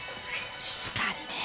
静かにね。